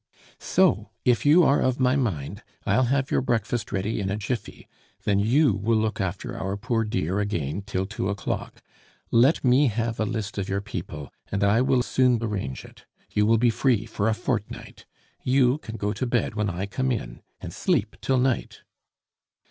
"So, if you are of my mind, I'll have your breakfast ready in a jiffy. Then you will look after our poor dear again till two o'clock. Let me have a list of your people, and I will soon arrange it. You will be free for a fortnight. You can go to bed when I come in, and sleep till night."